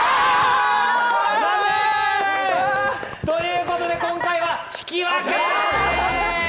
ということで今回は引き分け。